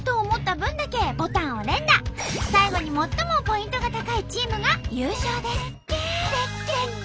最後に最もポイントが高いチームが優勝です。